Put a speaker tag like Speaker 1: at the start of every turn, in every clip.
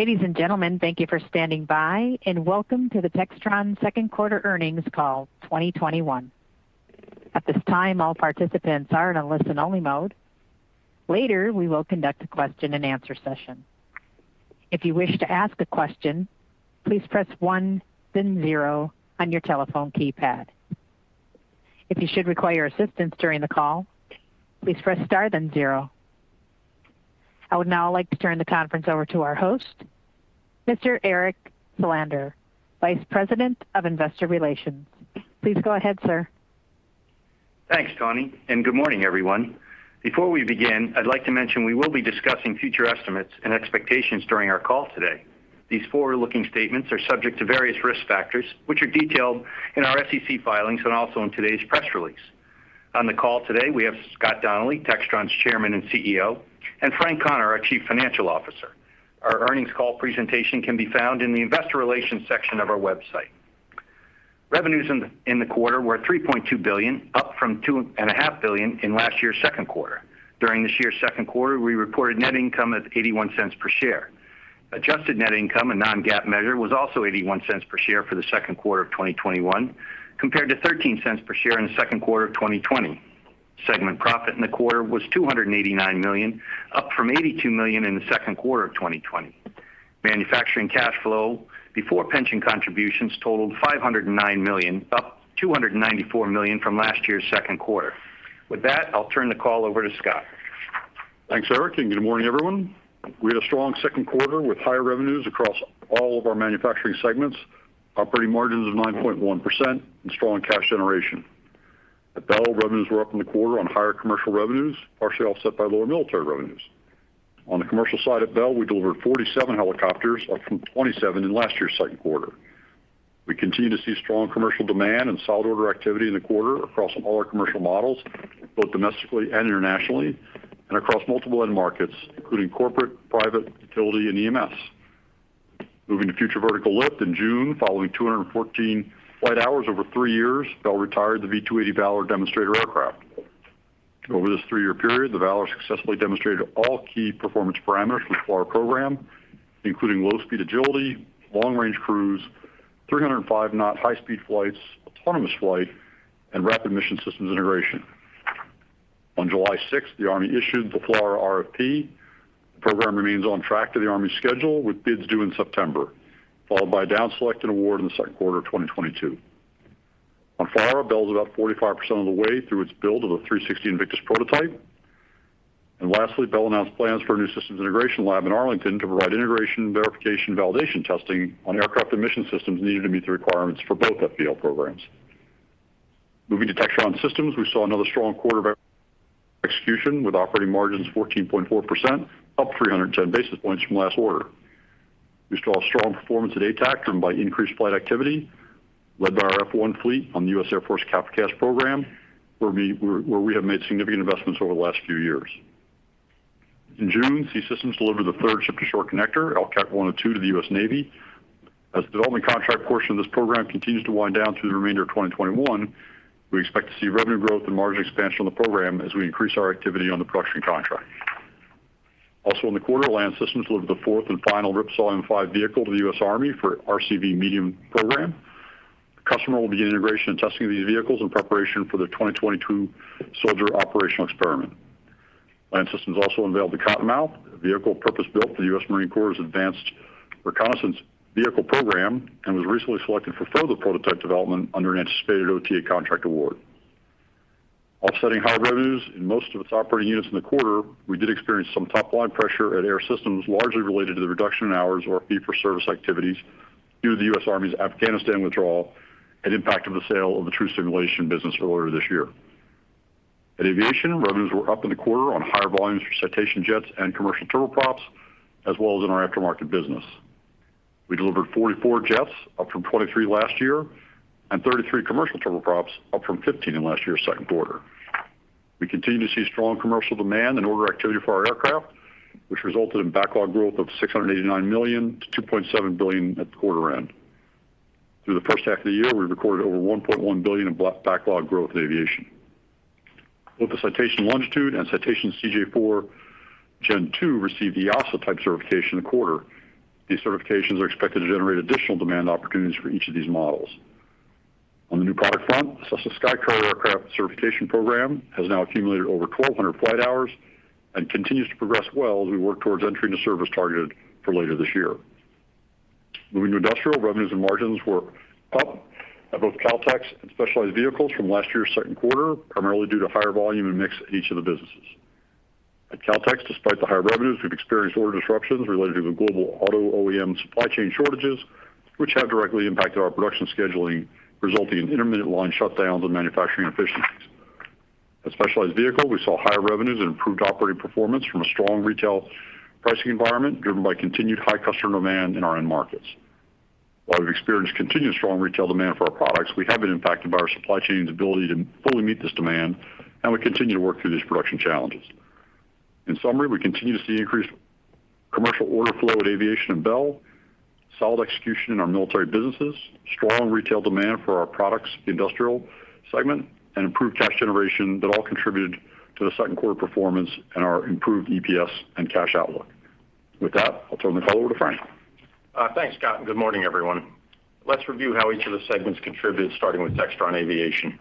Speaker 1: Ladies and gentlemen, thank you for standing by. Welcome to the Textron second quarter earnings call 2021. At this time, all participants are in a listen-only mode. Later, we will conduct a question-and-answer session. If you wish to ask a question, please press one then 0 on your telephone keypad. If you should require assistance during the call, please press star then 0. I would now like to turn the conference over to our host, Mr. Eric Salander, Vice President of Investor Relations. Please go ahead, sir.
Speaker 2: Thanks, Tawny. Good morning, everyone. Before we begin, I'd like to mention we will be discussing future estimates and expectations during our call today. These forward-looking statements are subject to various risk factors, which are detailed in our SEC filings also in today's press release. On the call today, we have Scott Donnelly, Textron's Chairman and CEO, Frank Connor, our Chief Financial Officer. Our earnings call presentation can be found in the investor relations section of our website. Revenues in the quarter were $3.2 billion, up from $2.5 billion in last year's second quarter. During this year's second quarter, we reported net income at $0.81 per share. Adjusted net income and non-GAAP measure was also $0.81 per share for the second quarter of 2021, compared to $0.13 per share in the second quarter of 2020. Segment profit in the quarter was $289 million, up from $82 million in the second quarter of 2020. Manufacturing cash flow before pension contributions totaled $509 million, up $294 million from last year's second quarter. With that, I'll turn the call over to Scott.
Speaker 3: Thanks, Eric, and good morning, everyone. We had a strong second quarter with higher revenues across all of our manufacturing segments, operating margins of 9.1%, and strong cash generation. At Bell, revenues were up in the quarter on higher commercial revenues, partially offset by lower military revenues. On the commercial side at Bell, we delivered 47 helicopters, up from 27 in last year's second quarter. We continue to see strong commercial demand and solid order activity in the quarter across all our commercial models, both domestically and internationally, and across multiple end markets, including corporate, private, utility, and EMS. Moving to Future Vertical Lift in June, following 214 flight hours over three years, Bell retired the V-280 Valor demonstrator aircraft. Over this three-year period, the Valor successfully demonstrated all key performance parameters for the FLRAA program, including low-speed agility, long-range cruise, 305-knot high-speed flights, autonomous flight, and rapid mission systems integration. On July 6th, the Army issued the FLRAA RFP. The program remains on track to the Army's schedule, with bids due in September, followed by a down select and award in the second quarter of 2022. On FLRAA, Bell's about 45% of the way through its build of a 360 Invictus prototype. Lastly, Bell announced plans for a new systems integration lab in Arlington to provide integration, verification, validation testing on aircraft and mission systems needed to meet the requirements for both FVL programs. Moving to Textron Systems, we saw another strong quarter of execution with operating margins 14.4%, up 310 basis points from last quarter. We saw strong performance at ATAC driven by increased flight activity led by our [Mirage F1] fleet on the U.S. Air Force [CAPS] program, where we have made significant investments over the last few years. In June, Textron Systems delivered the third Ship-to-Shore Connector, LCAC 102, to the U.S. Navy. As the development contract portion of this program continues to wind down through the remainder of 2021, we expect to see revenue growth and margin expansion on the program as we increase our activity on the production contract. Also in the quarter, Textron Marine & Land Systems delivered the fourth and final RIPSAW M5 vehicle to the U.S. Army for RCV Medium program. The customer will begin integration and testing of these vehicles in preparation for the 2022 Soldier operational experiment. Land Systems also unveiled the Cottonmouth, a vehicle purpose-built for the U.S. Marine Corps' Advanced Reconnaissance Vehicle program, and was recently selected for further prototype development under an anticipated OTA contract award. Offsetting higher revenues in most of its operating units in the quarter, we did experience some top-line pressure at Air Systems, largely related to the reduction in hours or fee-for-service activities due to the U.S. Army's Afghanistan withdrawal and impact of the sale of the TRU Simulation + Training business earlier this year. At Aviation, revenues were up in the quarter on higher volumes for Citation jets and commercial turboprops, as well as in our aftermarket business. We delivered 44 jets, up from 23 last year, and 33 commercial turboprops, up from 15 in last year's second quarter. We continue to see strong commercial demand and order activity for our aircraft, which resulted in backlog growth of $689 million to $2.7 billion at the quarter-end. Through the first half of the year, we recorded over $1.1 billion in backlog growth in Aviation. Both the Citation Longitude and Citation CJ4 Gen2 received the EASA type certification in the quarter. These certifications are expected to generate additional demand opportunities for each of these models. On the new product front, Cessna SkyCourier aircraft certification program has now accumulated over 1,200 flight hours and continues to progress well as we work towards entering the service targeted for later this year. Moving to Industrial, revenues and margins were up at both Kautex and Specialized Vehicles from last year's second quarter, primarily due to higher volume and mix at each of the businesses. At Kautex, despite the higher revenues, we've experienced order disruptions related to the global auto OEM supply chain shortages, which have directly impacted our production scheduling, resulting in intermittent line shutdowns and manufacturing inefficiencies. At Specialized Vehicle, we saw higher revenues and improved operating performance from a strong retail pricing environment driven by continued high customer demand in our end markets. While we've experienced continued strong retail demand for our products, we have been impacted by our supply chain's ability to fully meet this demand, and we continue to work through these production challenges. In summary, we continue to see increased commercial order flow at Aviation and Bell, solid execution in our military businesses, strong retail demand for our products industrial segment, and improved cash generation that all contributed to the second quarter performance and our improved EPS and cash outlook. With that, I'll turn the call over to Frank.
Speaker 4: Thanks, Scott, and good morning, everyone. Let's review how each of the segments contributed, starting with Textron Aviation.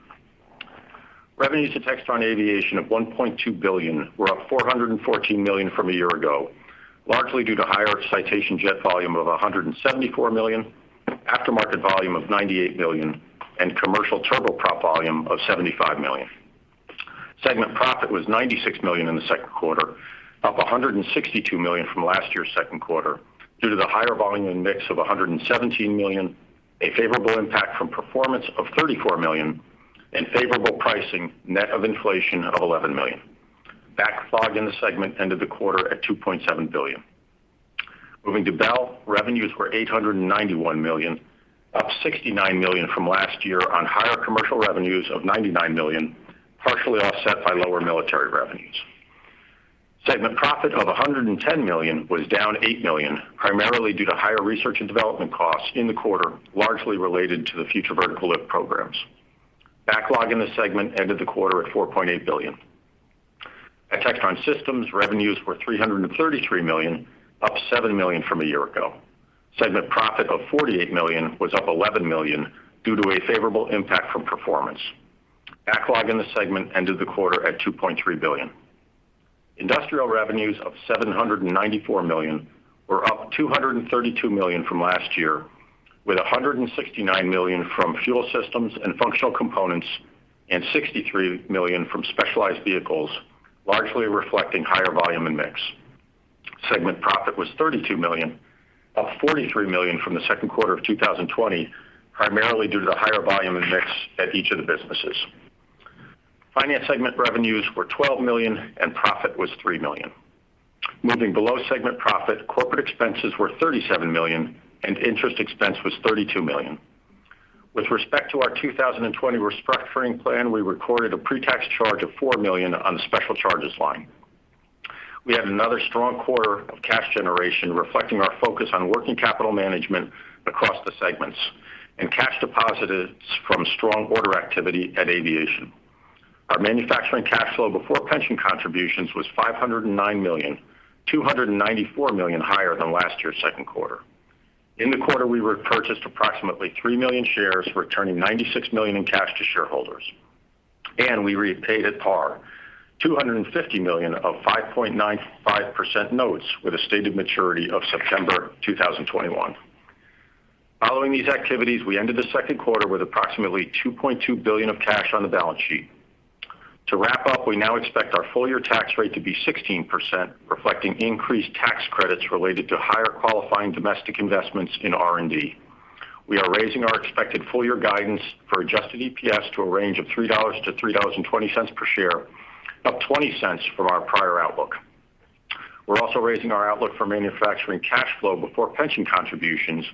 Speaker 4: Revenues to Textron Aviation of $1.2 billion were up $414 million from a year ago, largely due to higher Citation jet volume of $174 million, aftermarket volume of $98 million, and commercial turboprop volume of $75 million. Segment profit was $96 million in the second quarter, up $162 million from last year's second quarter due to the higher volume and mix of $117 million, a favorable impact from performance of $34 million, and favorable pricing net of inflation of $11 million. Backlog in the segment ended the quarter at $2.7 billion. Moving to Bell, revenues were $891 million, up $69 million from last year on higher commercial revenues of $99 million, partially offset by lower military revenues. Segment profit of $110 million was down $8 million, primarily due to higher research and development costs in the quarter, largely related to the Future Vertical Lift programs. Backlog in the segment ended the quarter at $4.8 billion. At Textron Systems, revenues were $333 million, up $7 million from a year ago. Segment profit of $48 million was up $11 million due to a favorable impact from performance. Backlog in the segment ended the quarter at $2.3 billion. Industrial revenues of $794 million were up $232 million from last year, with $169 million from fuel systems and functional components and $63 million from specialized vehicles, largely reflecting higher volume and mix. Segment profit was $32 million, up $43 million from the second quarter of 2020, primarily due to the higher volume and mix at each of the businesses. Finance segment revenues were $12 million and profit was $3 million. Moving below segment profit, corporate expenses were $37 million and interest expense was $32 million. With respect to our 2020 restructuring plan, we recorded a pre-tax charge of $4 million on the special charges line. We had another strong quarter of cash generation reflecting our focus on working capital management across the segments and cash deposited from strong order activity at Aviation. Our manufacturing cash flow before pension contributions was $509 million, $294 million higher than last year's second quarter. In the quarter, we repurchased approximately 3 million shares, returning $96 million in cash to shareholders, and we repaid at par $250 million of 5.95% notes with a stated maturity of September 2021. Following these activities, we ended the second quarter with approximately $2.2 billion of cash on the balance sheet. To wrap up, we now expect our full-year tax rate to be 16%, reflecting increased tax credits related to higher qualifying domestic investments in R&D. We are raising our expected full-year guidance for adjusted EPS to a range of $3-$3.20 per share, up $0.20 from our prior outlook. We're also raising our outlook for manufacturing cash flow before pension contributions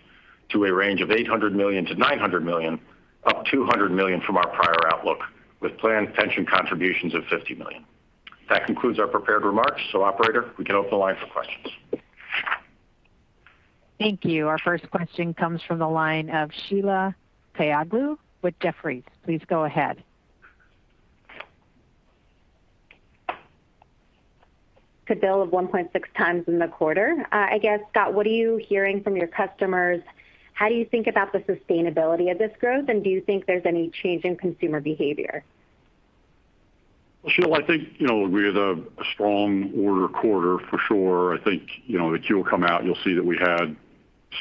Speaker 4: to a range of $800 million-$900 million, up $200 million from our prior outlook, with planned pension contributions of $50 million. Operator, we can open the line for questions.
Speaker 1: Thank you. Our first question comes from the line of Sheila Kahyaoglu with Jefferies. Please go ahead.
Speaker 5: Book-to-bill of 1.6x in the quarter. I guess, Scott, what are you hearing from your customers? How do you think about the sustainability of this growth, and do you think there's any change in consumer behavior?
Speaker 3: Sheila, I think, we had a strong order quarter for sure. I think, the Q will come out, you'll see that we had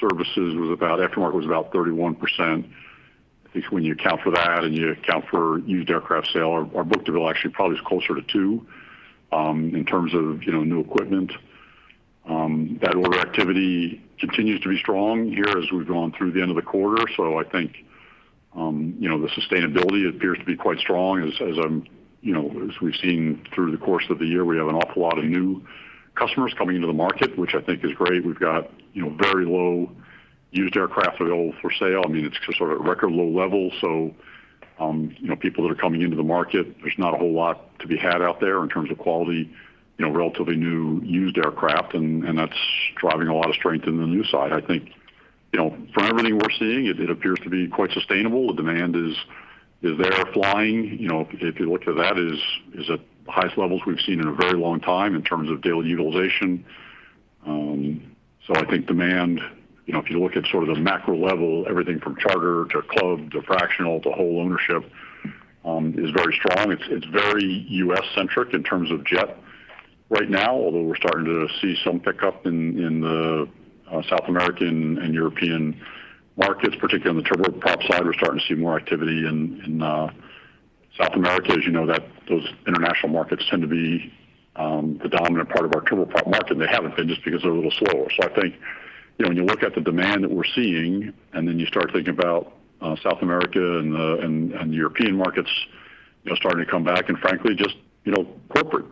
Speaker 3: services, aftermarket was about 31%. I think when you account for that and you account for used aircraft sale, our book-to-bill actually probably is closer to two, in terms of new equipment. That order activity continues to be strong here as we've gone through the end of the quarter. I think, the sustainability appears to be quite strong as we've seen through the course of the year. We have an awful lot of new customers coming into the market, which I think is great. We've got very low used aircraft available for sale. I mean, it's just sort of record low levels. People that are coming into the market, there's not a whole lot to be had out there in terms of quality, relatively new used aircraft, and that's driving a lot of strength in the new side. I think, from everything we're seeing, it appears to be quite sustainable. The demand is there. Flying, if you look at that, is at the highest levels we've seen in a very long time in terms of daily utilization. I think demand, if you look at sort of the macro level, everything from charter to club to fractional to whole ownership, is very strong. It's very U.S. centric in terms of jet right now, although we're starting to see some pickup in the South American and European markets, particularly on the turboprop side. We're starting to see more activity in South America. As you know, those international markets tend to be the dominant part of our turboprop market, and they haven't been just because they're a little slower. I think, when you look at the demand that we're seeing, and then you start thinking about South America and the European markets starting to come back and frankly, just corporate.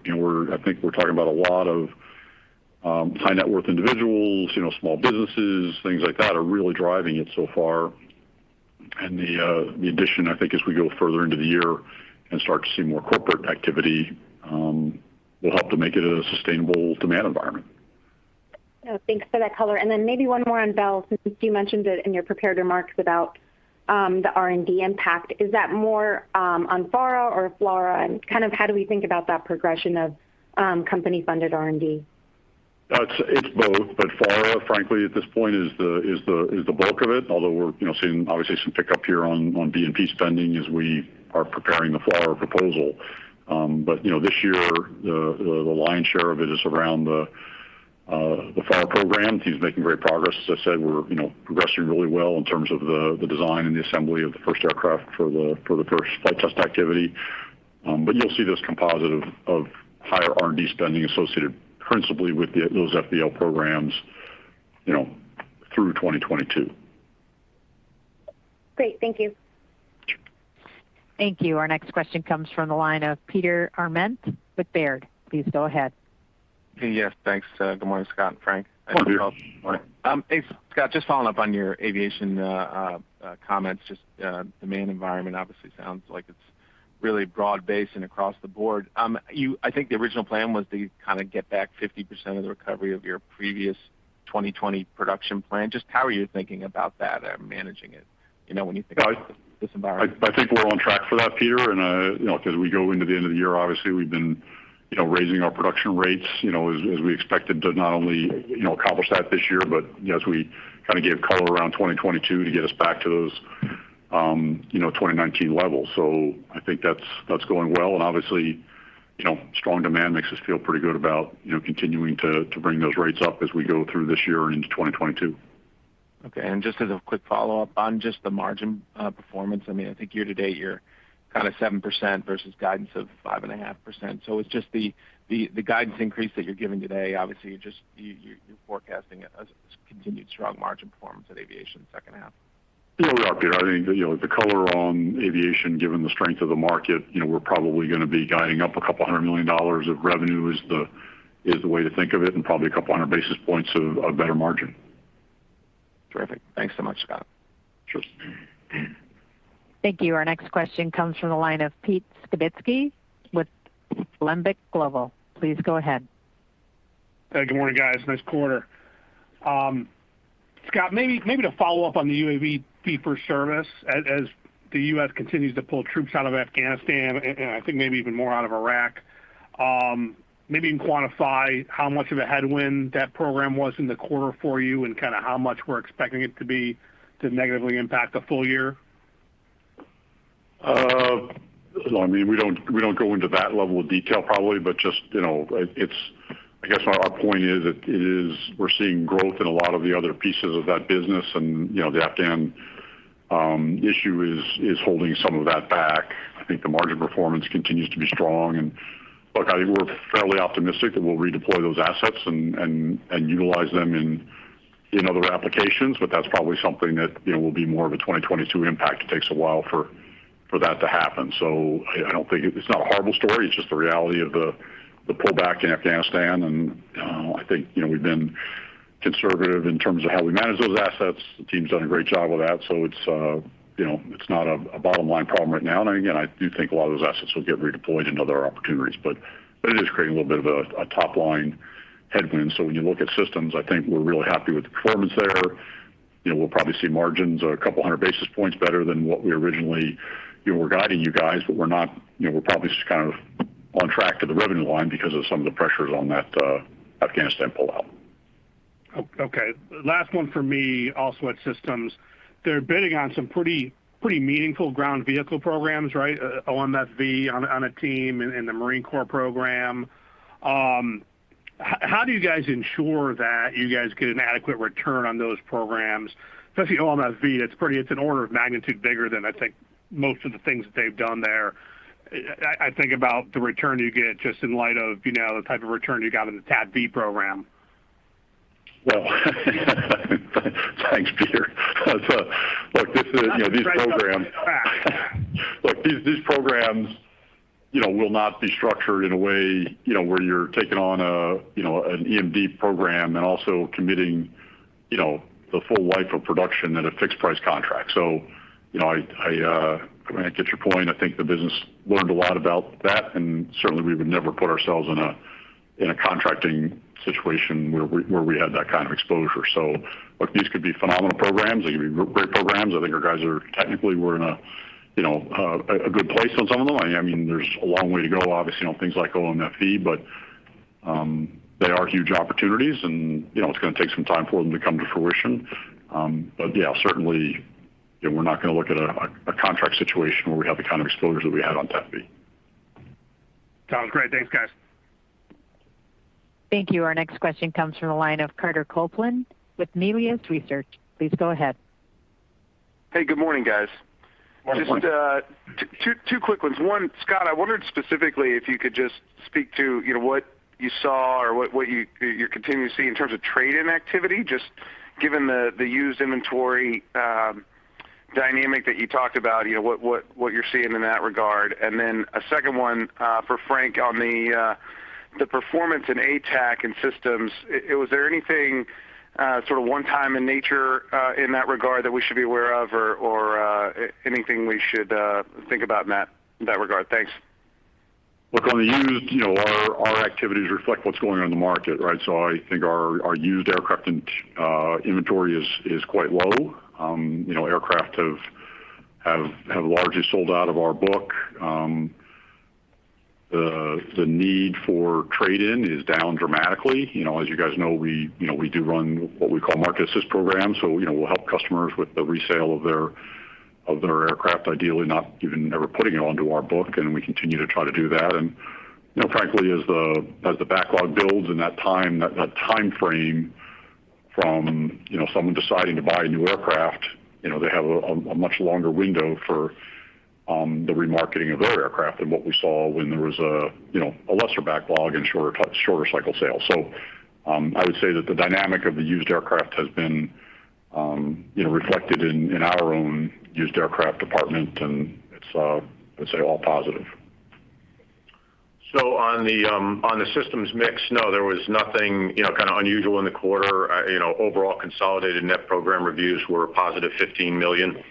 Speaker 3: I think we're talking about a lot of high-net-worth individuals, small businesses, things like that are really driving it so far. The addition, I think as we go further into the year and start to see more corporate activity, will help to make it a sustainable demand environment.
Speaker 5: Oh, thanks for that color. Maybe one more on FVL, since you mentioned it in your prepared remarks about the R&D impact. Is that more on FARA or FLRAA? How do we think about that progression of company-funded R&D?
Speaker 3: It's both. FARA, frankly, at this point, is the bulk of it, although we're seeing obviously some pickup here on IRAD spending as we are preparing the FLRAA proposal. This year, the lion's share of it is around the FARA program. The team's making great progress. As I said, we're progressing really well in terms of the design and the assembly of the first aircraft for the first flight test activity. You'll see this composite of higher R&D spending associated principally with those FVL programs through 2022.
Speaker 5: Great. Thank you.
Speaker 1: Thank you. Our next question comes from the line of Peter Arment with Baird. Please go ahead.
Speaker 6: Yes, thanks. Good morning, Scott and Frank.
Speaker 3: Good morning, Peter.
Speaker 6: Thanks. Scott, just following up on your aviation comments. Just the main environment obviously sounds like it's really broad-based and across the board. I think the original plan was to kind of get back 50% of the recovery of your previous 2020 production plan. Just how are you thinking about that and managing it when you think about this environment?
Speaker 3: I think we're on track for that, Peter. As we go into the end of the year, obviously, we've been raising our production rates, as we expected, to not only accomplish that this year, but as we kind of gave color around 2022 to get us back to those 2019 levels. I think that's going well. Obviously, strong demand makes us feel pretty good about continuing to bring those rates up as we go through this year and into 2022.
Speaker 6: Okay. Just as a quick follow-up on just the margin performance. I think year to date, you're kind of 7% versus guidance of 5.5%. It's just the guidance increase that you're giving today. Obviously, you're forecasting a continued strong margin performance at Aviation second half.
Speaker 3: Yeah, we are, Peter. I think the color on Aviation, given the strength of the market, we're probably going to be guiding up a couple $100 million of revenue, is the way to think of it, and probably couple on basis points of better margin.
Speaker 6: Terrific. Thanks so much, Scott.
Speaker 3: Sure.
Speaker 1: Thank you. Our next question comes from the line of Pete Skibitski with Alembic Global Advisors. Please go ahead.
Speaker 7: Hey, good morning, guys. Nice quarter. Scott, maybe to follow up on the UAV fee-for-service, as the U.S. continues to pull troops out of Afghanistan, I think maybe even more out of Iraq, maybe you can quantify how much of a headwind that program was in the quarter for you and kind of how much we're expecting it to be to negatively impact the full year.
Speaker 3: We don't go into that level of detail, probably, but I guess our point is that we're seeing growth in a lot of the other pieces of that business, and the Afghan issue is holding some of that back. I think the margin performance continues to be strong, and look, we're fairly optimistic that we'll redeploy those assets and utilize them in other applications. That's probably something that will be more of a 2022 impact. It takes a while for that to happen. It's not a horrible story. It's just the reality of the pullback in Afghanistan, and I think we've been conservative in terms of how we manage those assets. The team's done a great job with that, so it's not a bottom-line problem right now. Again, I do think a lot of those assets will get redeployed in other opportunities. It is creating a little bit of a top-line headwind. When you look at Systems, I think we're really happy with the performance there. We'll probably see margins a couple hundred basis points better than what we originally were guiding you guys, but we're probably kind of on track to the revenue line because of some of the pressures on that Afghanistan pullout.
Speaker 7: Okay. Last one from me, also at Systems. They're bidding on some pretty meaningful ground vehicle programs, OMFV on a team in the Marine Corps program. How do you guys ensure that you guys get an adequate return on those programs? Especially OMFV, it's an order of magnitude bigger than I think most of the things that they've done there. I think about the return you get just in light of the type of return you got in the TAPV program.
Speaker 3: Well, thanks, Peter.
Speaker 7: Try to help you get it back.
Speaker 3: These programs will not be structured in a way where you're taking on an EMD program and also committing the full life of production at a fixed price contract. I get your point. I think the business learned a lot about that, and certainly we would never put ourselves in a contracting situation where we had that kind of exposure. These could be phenomenal programs. They could be great programs. I think our guys are technically we're in a good place on some of them. There's a long way to go, obviously, on things like OMFV, but they are huge opportunities, and it's going to take some time for them to come to fruition. Yeah, certainly, we're not going to look at a contract situation where we have the kind of exposure that we had on TAPV.
Speaker 7: Sounds great. Thanks, guys.
Speaker 1: Thank you. Our next question comes from the line of Carter Copeland with Melius Research. Please go ahead.
Speaker 8: Hey, good morning, guys.
Speaker 3: Good morning.
Speaker 4: Morning
Speaker 8: Just two quick ones. One, Scott, I wondered specifically if you could just speak to what you saw or what you continue to see in terms of trade-in activity, just given the used inventory dynamic that you talked about, what you're seeing in that regard. A second one for Frank on the performance in ATAC and Systems. Was there anything sort of one time in nature in that regard that we should be aware of or anything we should think about in that regard? Thanks.
Speaker 3: Look on the used, our activities reflect what's going on in the market, right? I think our used aircraft inventory is quite low. Aircraft have largely sold out of our book. The need for trade-in is down dramatically. As you guys know, we do run what we call market assist programs. We'll help customers with the resale of their aircraft, ideally not even ever putting it onto our book, and we continue to try to do that. Frankly, as the backlog builds and that timeframe from someone deciding to buy a new aircraft, they have a much longer window for the remarketing of their aircraft than what we saw when there was a lesser backlog and shorter cycle sales. I would say that the dynamic of the used aircraft has been reflected in our own used aircraft department, and it's all positive.
Speaker 4: On the systems mix, no, there was nothing unusual in the quarter. Overall consolidated net program reviews were a positive $15 million.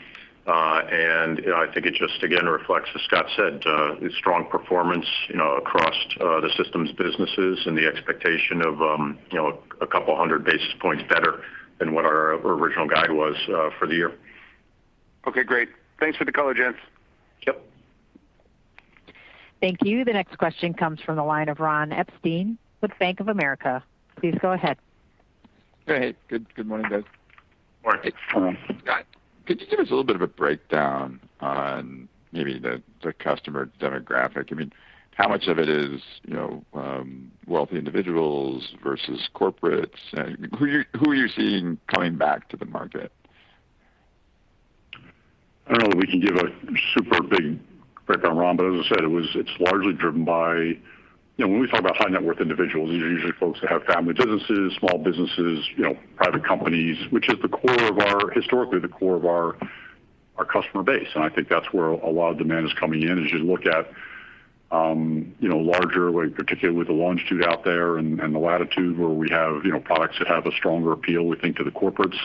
Speaker 4: I think it just again reflects, as Scott Donnelly said, strong performance across the systems businesses and the expectation of a couple 100 basis points better than what our original guide was for the year.
Speaker 8: Okay, great. Thanks for the color, gents.
Speaker 3: Yep.
Speaker 1: Thank you. The next question comes from the line of Ron Epstein with Bank of America. Please go ahead.
Speaker 9: Hey. Good morning, guys.
Speaker 3: Morning.
Speaker 9: Scott, could you give us a little bit of a breakdown on maybe the customer demographic? How much of it is wealthy individuals versus corporates? Who are you seeing coming back to the market?
Speaker 3: I don't know that we can give a super big breakdown, Ron, but as I said, it's largely driven by when we talk about high net worth individuals, these are usually folks that have family businesses, small businesses, private companies, which is historically the core of our customer base. I think that's where a lot of demand is coming in. As you look at larger, particularly with the Longitude out there and the Latitude where we have products that have a stronger appeal, we think to the corporates.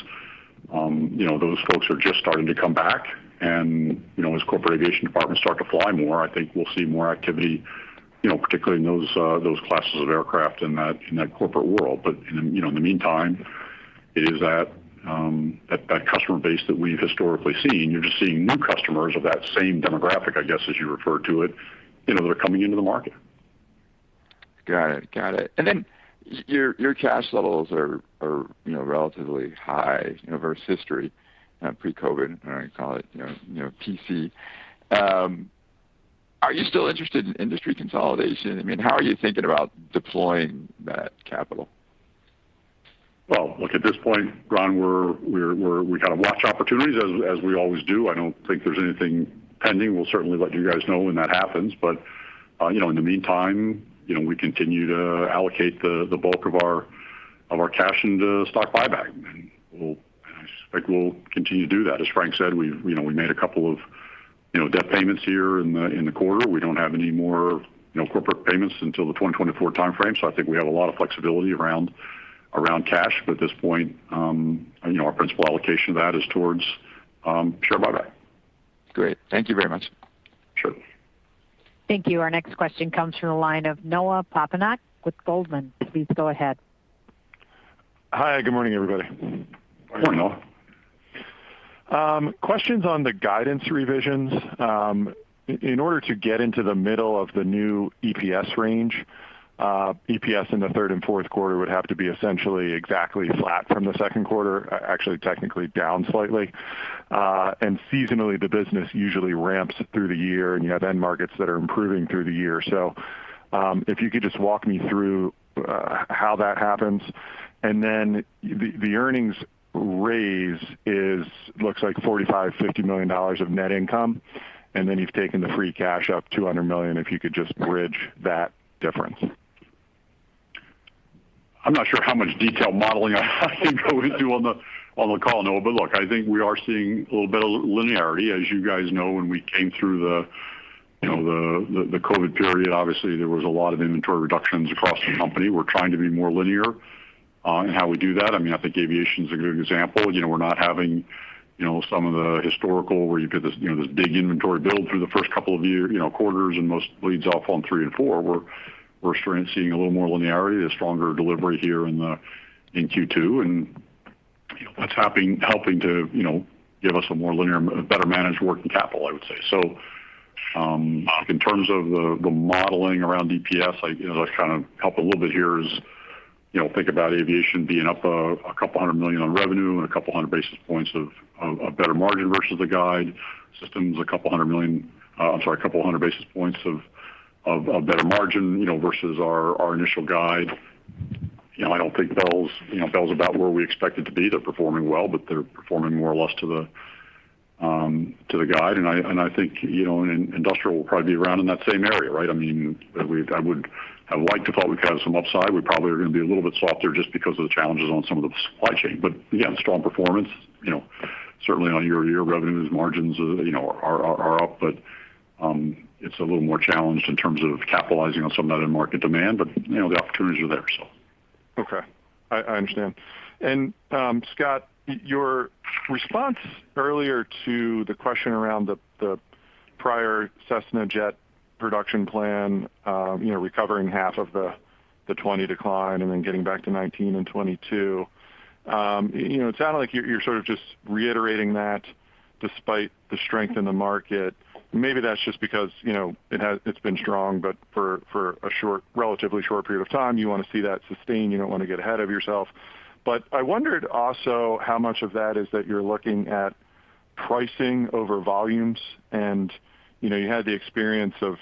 Speaker 3: Those folks are just starting to come back. As corporate aviation departments start to fly more, I think we'll see more activity, particularly in those classes of aircraft in that corporate world. In the meantime, it is that customer base that we've historically seen. You're just seeing new customers of that same demographic, I guess, as you refer to it, that are coming into the market.
Speaker 9: Got it. Your cash levels are relatively high versus history, pre-COVID, I call it PC. Are you still interested in industry consolidation? How are you thinking about deploying that capital?
Speaker 3: Well, look, at this point, Ron, we watch opportunities as we always do. I don't think there's anything pending. We'll certainly let you guys know when that happens. In the meantime, we continue to allocate the bulk of our cash into stock buyback, and I expect we'll continue to do that. As Frank said, we made a couple of debt payments here in the quarter. We don't have any more corporate payments until the 2024 timeframe. I think we have a lot of flexibility around cash. At this point our principal allocation of that is towards share buyback.
Speaker 9: Great. Thank you very much.
Speaker 3: Sure.
Speaker 1: Thank you. Our next question comes from the line of Noah Poponak with Goldman Sachs. Please go ahead.
Speaker 10: Hi, good morning, everybody.
Speaker 4: Morning
Speaker 3: Morning, Noah.
Speaker 10: Questions on the guidance revisions. In order to get into the middle of the new EPS range, EPS in the third and fourth quarter would have to be essentially exactly flat from the second quarter, actually technically down slightly. Seasonally, the business usually ramps through the year, and you have end markets that are improving through the year. If you could just walk me through how that happens. The earnings raise looks like $45 million-$50 million of net income, and then you've taken the free cash up $200 million. If you could just bridge that difference.
Speaker 3: I'm not sure how much detail modeling I can go into on the call, Noah, look, I think we are seeing a little bit of linearity. As you guys know, when we came through the COVID period, obviously there was a lot of inventory reductions across the company. We're trying to be more linear in how we do that. I think Aviation's a good example. We're not having some of the historical where you get this big inventory build through the first couple of quarters most bleeds off on three and four. We're seeing a little more linearity, a stronger delivery here in Q2, that's helping to give us a more linear, better managed working capital, I would say. In terms of the modeling around EPS, I kind of help a little bit here is, think about aviation being up a couple $100 million on revenue and a couple 100 basis points of a better margin versus the guide. [Textron Systems],a couple $100 million for a couple 100 basis points of a better margin versus our initial guide. I don't think Bell's about where we expect it to be. They're performing well, but they're performing more or less to the guide. I think Industrial will probably be around in that same area, right? I would have liked to thought we'd have some upside. We probably are going to be a little bit softer just because of the challenges on some of the supply chain. Again, strong performance. Certainly on a year-over-year revenues, margins are up, but it's a little more challenged in terms of capitalizing on some of that in market demand, but the opportunities are there.
Speaker 10: Okay. I understand. Scott, your response earlier to the question around the prior Cessna Jet production plan, recovering half of the 2020 decline and then getting back to 2019 and 2022, it sounded like you're sort of just reiterating that despite the strength in the market. Maybe that's just because it's been strong, but for a relatively short period of time. You want to see that sustained. You don't want to get ahead of yourself. I wondered also how much of that is that you're looking at pricing over volumes, and you had the experience of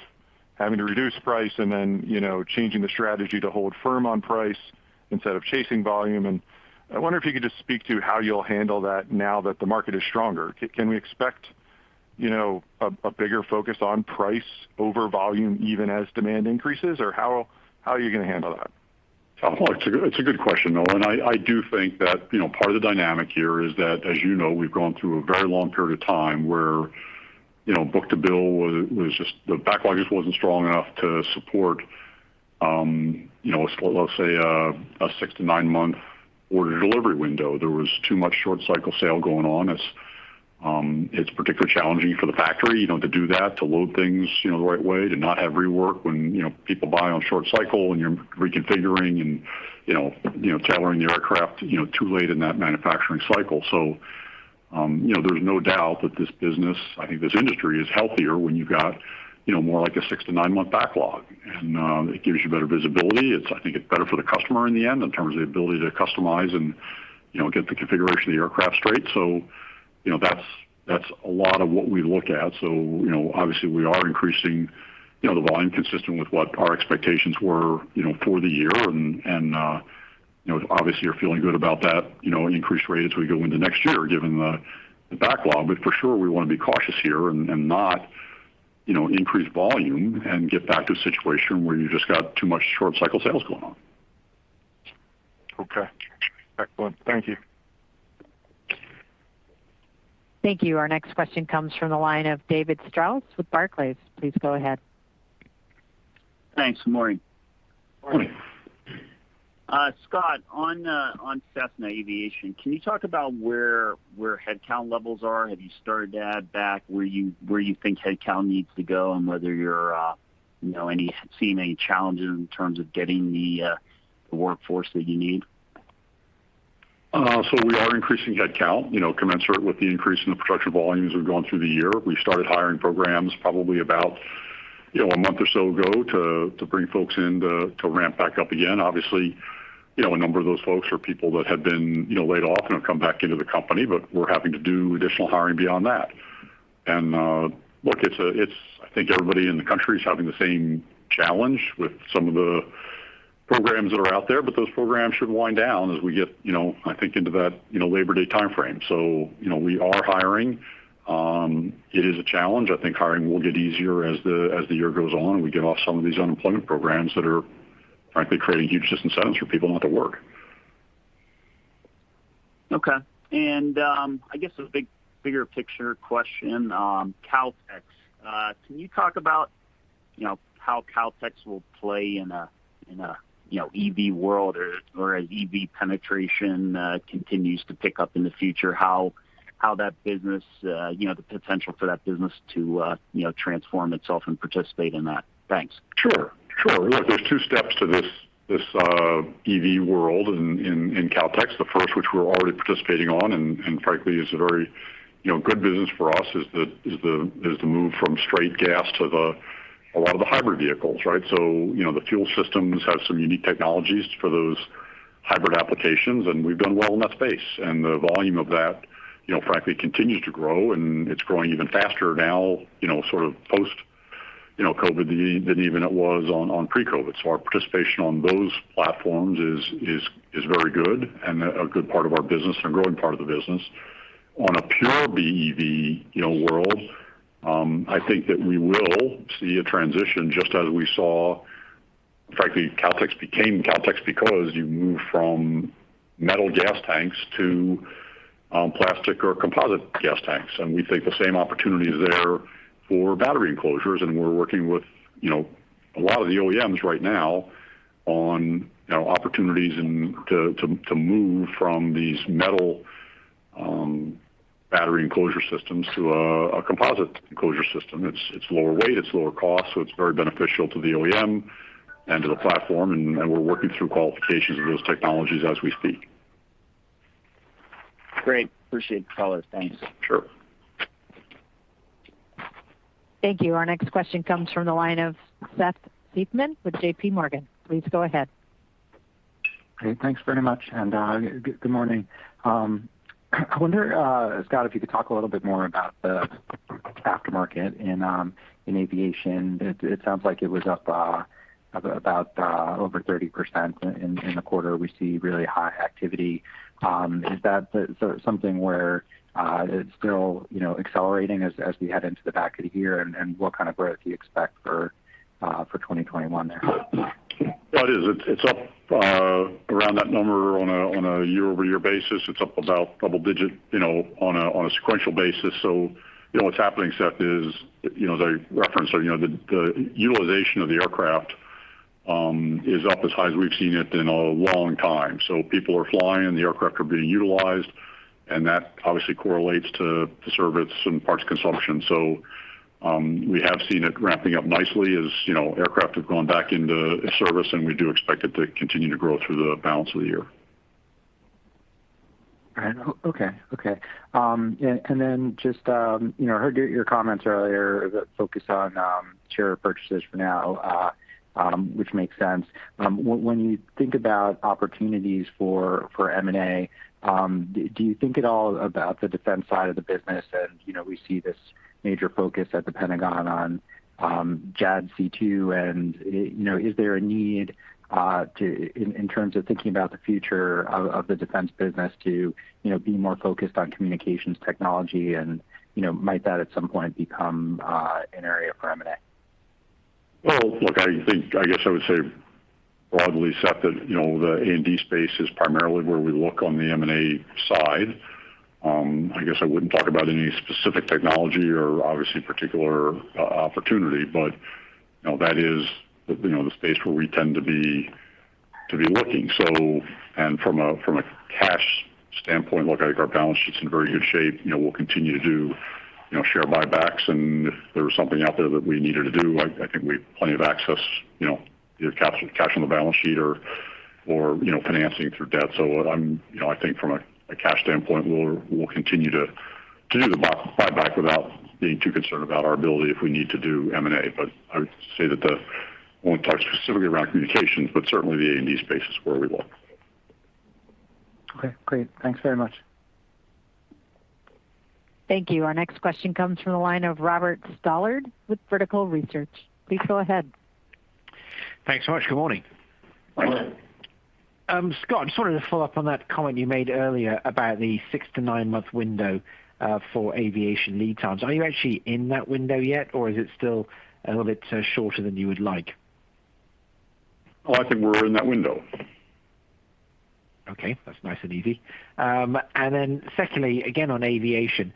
Speaker 10: having to reduce price and then changing the strategy to hold firm on price instead of chasing volume. I wonder if you could just speak to how you'll handle that now that the market is stronger. Can we expect a bigger focus on price over volume, even as demand increases? How are you going to handle that?
Speaker 3: Well, it's a good question, Noah. I do think that part of the dynamic here is that, as you know, we've gone through a very long period of time where book-to-bill, the backlog just wasn't strong enough to support, let's say, a six to nine-month order delivery window. There was too much short cycle sale going on. It's particularly challenging for the factory to do that, to load things the right way, to not have rework when people buy on short cycle, and you're reconfiguring and tailoring the aircraft too late in that manufacturing cycle. There's no doubt that this business, I think this industry, is healthier when you've got more like a six to nine-month backlog. It gives you better visibility. I think it's better for the customer in the end, in terms of the ability to customize and get the configuration of the aircraft straight. That's a lot of what we look at. Obviously we are increasing the volume consistent with what our expectations were for the year, and obviously are feeling good about that increased rate as we go into next year, given the backlog. For sure, we want to be cautious here and not increase volume and get back to a situation where you've just got too much short cycle sales going on.
Speaker 10: Okay. Excellent. Thank you.
Speaker 1: Thank you. Our next question comes from the line of David Strauss with Barclays. Please go ahead.
Speaker 11: Thanks, morning.
Speaker 3: Morning.
Speaker 11: Scott, on Cessna Aviation, can you talk about where headcount levels are? Have you started to add back where you think headcount needs to go and whether you're seeing any challenges in terms of getting the workforce that you need?
Speaker 3: We are increasing headcount commensurate with the increase in the production volumes we've gone through the year. We started hiring programs probably about a month or so ago to bring folks in to ramp back up again. Obviously, a number of those folks are people that had been laid off and have come back into the company, but we're having to do additional hiring beyond that. Look, I think everybody in the country is having the same challenge with some of the programs that are out there, but those programs should wind down as we get, I think, into that Labor Day timeframe. We are hiring. It is a challenge. I think hiring will get easier as the year goes on, and we get off some of these unemployment programs that are frankly creating huge disincentives for people not to work.
Speaker 11: Okay. I guess a bigger picture question. Kautex. Can you talk about how Kautex will play in an EV world or as EV penetration continues to pick up in the future? The potential for that business to transform itself and participate in that? Thanks.
Speaker 3: Sure. Look, there's two steps to this EV world in Kautex. The first, which we're already participating on, and frankly, is a very good business for us, is the move from straight gas to a lot of the hybrid vehicles, right? The fuel systems have some unique technologies for those hybrid applications, and we've done well in that space. The volume of that, frankly, continues to grow, and it's growing even faster now, sort of post-COVID than even it was on pre-COVID. Our participation on those platforms is very good and a good part of our business and a growing part of the business. On a pure BEV world, I think that we will see a transition just as frankly, Kautex became Kautex because you moved from metal gas tanks to plastic or composite gas tanks. We think the same opportunity is there for battery enclosures. We're working with a lot of the OEMs right now on opportunities to move from these metal battery enclosure systems to a composite enclosure system. It's lower weight, it's lower cost. It's very beneficial to the OEM and to the platform. We're working through qualifications of those technologies as we speak.
Speaker 11: Great. Appreciate the color. Thanks.
Speaker 3: Sure.
Speaker 1: Thank you. Our next question comes from the line of Seth Seifman with J.P. Morgan. Please go ahead.
Speaker 12: Great. Thanks very much. Good morning. I wonder, Scott, if you could talk a little bit more about the aftermarket in aviation. It sounds like it was up about over 30% in the quarter. We see really high activity. Is that something where it's still accelerating as we head into the back of the year? What kind of growth do you expect for 2021 there?
Speaker 3: It's up around that number on a year-over-year basis. It's up about double-digit on a sequential basis. What's happening, Seth, is the reference or the utilization of the aircraft is up as high as we've seen it in a long time. People are flying, the aircraft are being utilized, and that obviously correlates to service and parts consumption. We have seen it ramping up nicely as aircraft have gone back into service, and we do expect it to continue to grow through the balance of the year.
Speaker 12: Right. Okay. Just heard your comments earlier that focus on share purchases for now, which makes sense. When you think about opportunities for M&A, do you think at all about the defense side of the business? We see this major focus at the Pentagon on JADC2. Is there a need, in terms of thinking about the future of the defense business to be more focused on communications technology and might that at some point become an area for M&A?
Speaker 3: look, I guess I would say broadly set that the A&D space is primarily where we look on the M&A side. I guess I wouldn't talk about any specific technology or obviously particular opportunity, but that is the space where we tend to be looking. From a cash standpoint look, I think our balance sheet's in very good shape. We'll continue to do share buybacks and if there was something out there that we needed to do, I think we have plenty of access, either cash on the balance sheet or financing through debt. I think from a cash standpoint, we'll continue to do the buyback without being too concerned about our ability if we need to do M&A. I would say that the, I won't talk specifically around communications, but certainly the A&D space is where we look.
Speaker 12: Okay, great. Thanks very much.
Speaker 1: Thank you. Our next question comes from the line of Robert Stallard with Vertical Research. Please go ahead.
Speaker 13: Thanks so much. Good morning.
Speaker 3: Good morning.
Speaker 13: Scott, I just wanted to follow up on that comment you made earlier about the six to nine-month window for aviation lead times. Are you actually in that window yet, or is it still a little bit shorter than you would like?
Speaker 3: Oh, I think we're in that window.
Speaker 13: Okay. That's nice and easy. Secondly, again on aviation,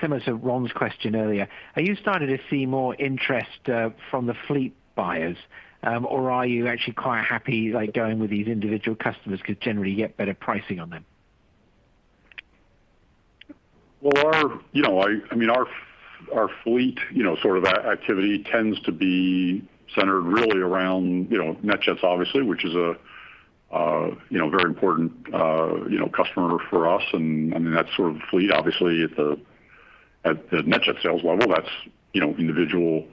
Speaker 13: similar to Ron's question earlier, are you starting to see more interest from the fleet buyers, or are you actually quite happy like going with these individual customers because generally you get better pricing on them?
Speaker 3: Well, our fleet sort of activity tends to be centered really around NetJets obviously, which is a very important customer for us, and that's sort of the fleet obviously at the NetJets sales level, that's individual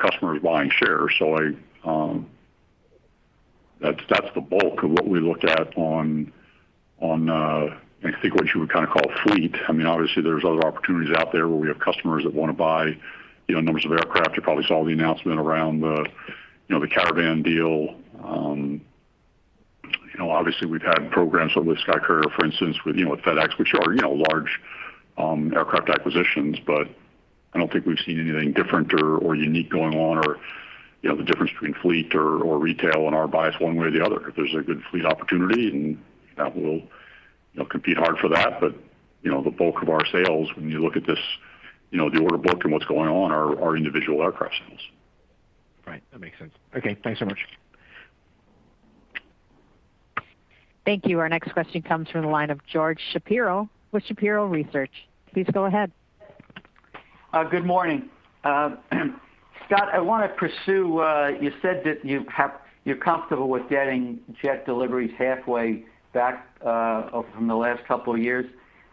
Speaker 3: customers buying shares. That's the bulk of what we look at on I think what you would call fleet. Obviously there's other opportunities out there where we have customers that want to buy numbers of aircraft. You probably saw the announcement around the Caravan deal. Obviously we've had programs with SkyCourier for instance, with FedEx, which are large aircraft acquisitions. I don't think we've seen anything different or unique going on, or the difference between fleet or retail in our bias one way or the other. If there's a good fleet opportunity, we'll compete hard for that. The bulk of our sales, when you look at the order book and what's going on, are individual aircraft sales.
Speaker 13: Right. That makes sense. Okay, thanks so much.
Speaker 1: Thank you. Our next question comes from the line of George Shapiro with Shapiro Research. Please go ahead.
Speaker 14: Good morning. Scott, I want to pursue, you said that you're comfortable with getting jet deliveries halfway back from the last couple of years.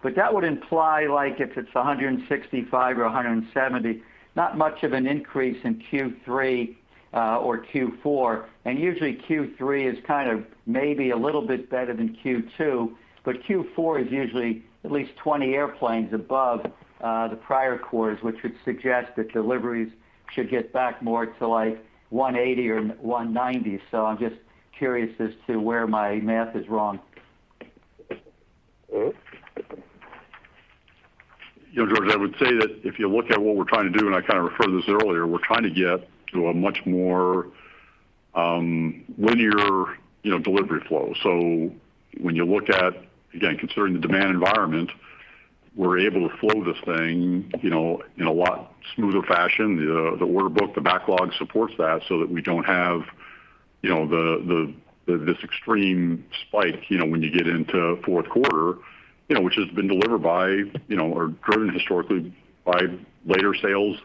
Speaker 14: That would imply like if it's 165 or 170, not much of an increase in Q3 or Q4. Usually Q3 is kind of maybe a little bit better than Q2. Q4 is usually at least 20 airplanes above the prior quarters, which would suggest that deliveries should get back more to like 180 or 190. I'm just curious as to where my math is wrong.
Speaker 3: George, I would say that if you look at what we're trying to do, and I kind of referred to this earlier, we're trying to get to a much more linear delivery flow. When you look at, again, considering the demand environment, we're able to flow this thing in a lot smoother fashion. The order book, the backlog supports that so that we don't have this extreme spike when you get into fourth quarter which has been delivered by, or driven historically by later sales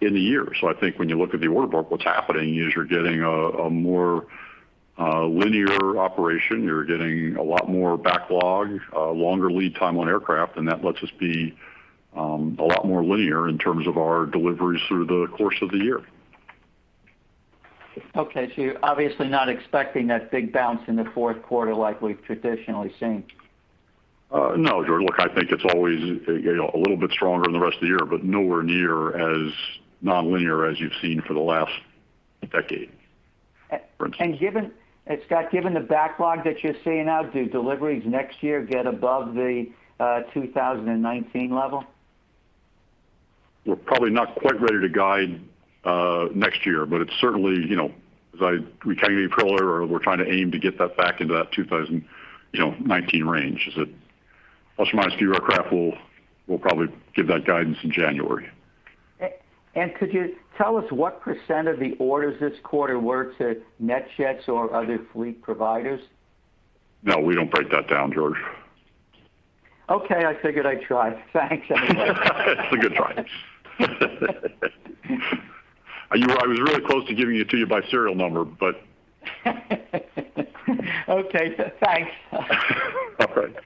Speaker 3: in the year. I think when you look at the order book, what's happening is you're getting a more linear operation, you're getting a lot more backlog, longer lead time on aircraft, and that lets us be a lot more linear in terms of our deliveries through the course of the year.
Speaker 14: Okay. You're obviously not expecting that big bounce in the fourth quarter like we've traditionally seen.
Speaker 3: No, George. Look, I think it's always a little bit stronger than the rest of the year, but nowhere near as nonlinear as you've seen for the last decade, for instance.
Speaker 14: Scott, given the backlog that you're seeing now, do deliveries next year get above the 2019 level?
Speaker 3: We're probably not quite ready to guide next year. It's certainly, as I recounted to you earlier, we're trying to aim to get that back into that 2019 range. Is it customized bureau craft? We'll probably give that guidance in January.
Speaker 14: Could you tell us what percent of the orders this quarter were to NetJets or other fleet providers?
Speaker 3: No, we don't break that down, George.
Speaker 14: Okay. I figured I'd try. Thanks anyway.
Speaker 3: It's a good try. I was really close to giving it to you by serial number, but.
Speaker 14: Okay. Thanks.
Speaker 3: All right.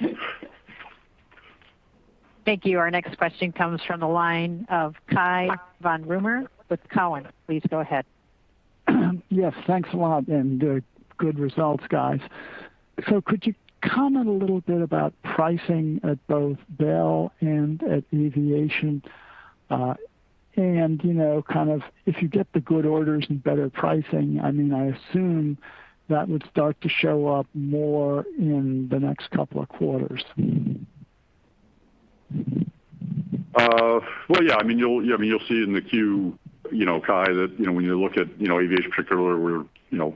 Speaker 1: Thank you. Our next question comes from the line of Cai von Rumohr with Cowen. Please go ahead.
Speaker 15: Yes, thanks a lot, and good results, guys. Could you comment a little bit about pricing at both Bell and at Aviation? If you get the good orders and better pricing, I assume that would start to show up more in the next couple of quarters.
Speaker 3: Well, yeah. You'll see it in the Q, you know Cai, that when you look at aviation particularly where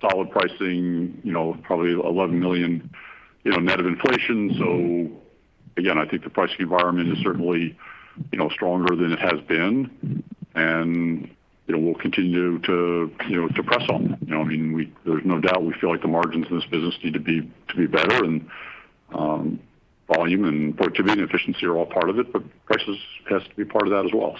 Speaker 3: solid pricing, probably $11 million net of inflation. Again, I think the pricing environment is certainly stronger than it has been. We'll continue to press on that. There's no doubt we feel like the margins in this business need to be better, and volume and productivity and efficiency are all part of it, but prices has to be part of that as well.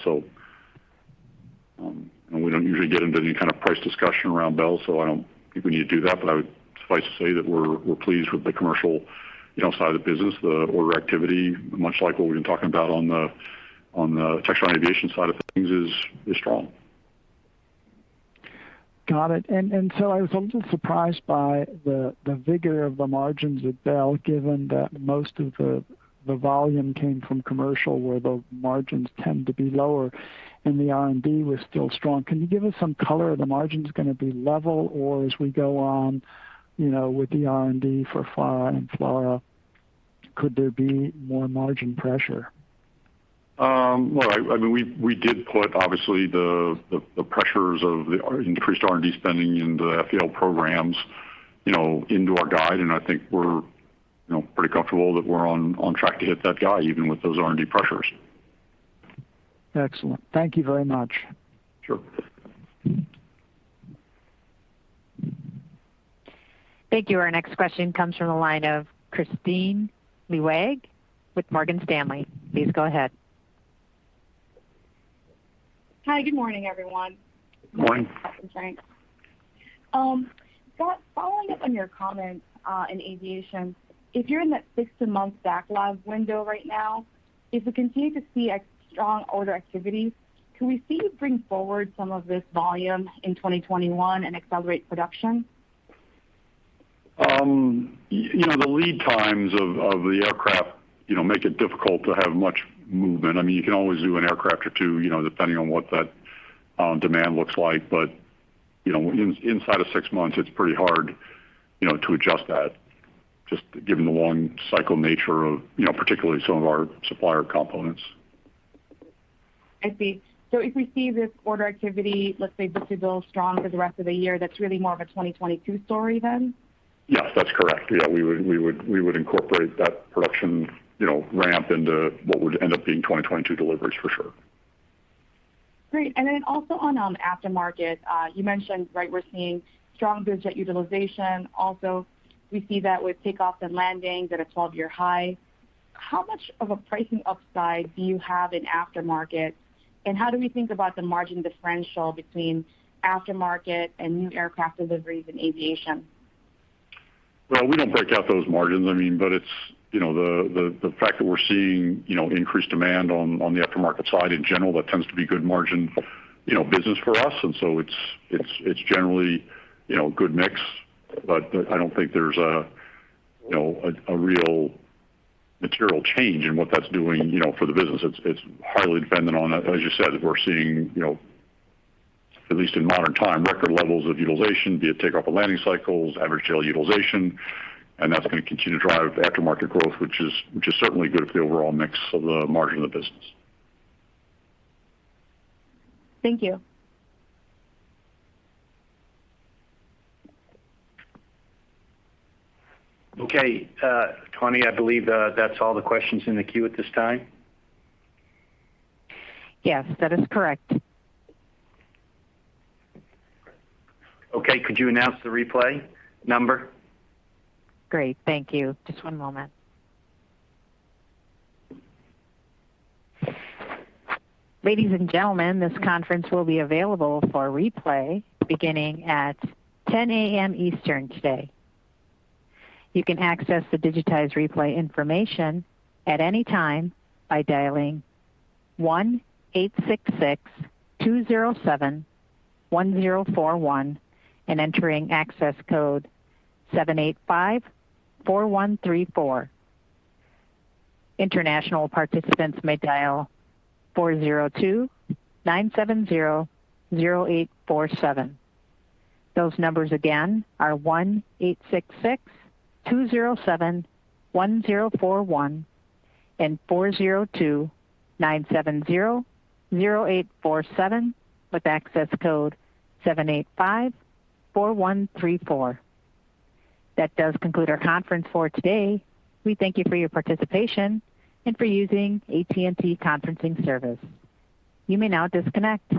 Speaker 3: We don't usually get into any kind of price discussion around Bell, so I don't think we need to do that, but suffice to say that we're pleased with the commercial side of the business. The order activity, much like what we've been talking about on the Textron Aviation side of things, is strong.
Speaker 15: Got it. I was a little surprised by the vigor of the margins at Bell, given that most of the volume came from commercial, where the margins tend to be lower, and the R&D was still strong. Can you give us some color? Are the margins going to be level, or as we go on with the R&D for FARA and FLRAA, could there be more margin pressure?
Speaker 3: Well, we did put obviously the pressures of the increased R&D spending in the FVL programs into our guide, and I think we're pretty comfortable that we're on track to hit that guide even with those R&D pressures.
Speaker 15: Excellent. Thank you very much.
Speaker 3: Sure.
Speaker 1: Thank you. Our next question comes from the line of Kristine Liwag with Morgan Stanley. Please go ahead.
Speaker 16: Hi, good morning, everyone.
Speaker 3: Morning.
Speaker 16: Scott, following up on your comments in aviation, if you're in that six-month backlog window right now, if we continue to see a strong order activity, can we see you bring forward some of this volume in 2021 and accelerate production?
Speaker 3: The lead times of the aircraft make it difficult to have much movement. You can always do an aircraft or two, depending on what that demand looks like. Inside of six months, it's pretty hard to adjust that just given the long cycle nature of particularly some of our supplier components.
Speaker 16: I see. If we see this order activity, let's say this is all strong for the rest of the year, that's really more of a 2022 story then?
Speaker 3: Yes, that's correct. Yeah, we would incorporate that production ramp into what would end up being 2022 deliveries for sure.
Speaker 16: Great. Also on aftermarket, you mentioned we're seeing strong bizjet utilization. Also, we see that with takeoffs and landings at a 12-year high. How much of a pricing upside do you have in aftermarket, and how do we think about the margin differential between aftermarket and new aircraft deliveries and aviation?
Speaker 3: Well, we don't break out those margins. The fact that we're seeing increased demand on the aftermarket side in general, that tends to be good margin business for us. It's generally a good mix, but I don't think there's a real material change in what that's doing for the business. It's highly dependent on, as you said, we're seeing, at least in modern time, record levels of utilization, be it takeoff or landing cycles, average tail utilization, and that's going to continue to drive aftermarket growth, which is certainly good for the overall mix of the margin of the business.
Speaker 16: Thank you.
Speaker 2: Okay. Tawny, I believe that's all the questions in the queue at this time.
Speaker 1: Yes, that is correct.
Speaker 2: Okay. Could you announce the replay number?
Speaker 1: Great. Thank you. Just one moment. Ladies and gentlemen, this conference will be available for replay beginning at 10:00 A.M. Eastern today. You can access the digitized replay information at any time by dialing 1-866-207-1041 and entering access code 7854134. International participants may dial 402-970-0847. Those numbers again are 1-866-207-1041 and 402-970-0847 with access code 7854134. That does conclude our conference for today. We thank you for your participation and for using AT&T conferencing service. You may now disconnect.